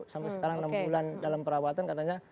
sampai sekarang enam bulan dalam perawatan katanya